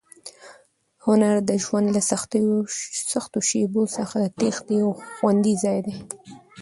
هنر د ژوند له سختو شېبو څخه د تېښتې یو خوندي ځای دی.